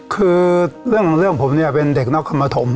คือเรื่องของเรื่องผมเป็นเด็กนอกคำมะถม